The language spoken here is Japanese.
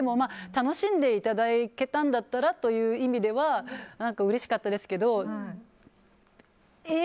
楽しんでいただけたんだったらという意味ではうれしかったですけど、え？